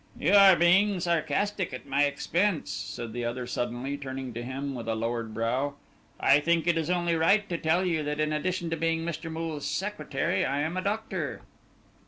"You are being sarcastic at my expense," said the other, suddenly turning to him with a lowered brow. "I think it is only right to tell you that, in addition to being Mr. Moole's secretary, I am a doctor."